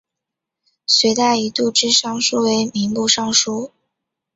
隋代以度支尚书为民部尚书。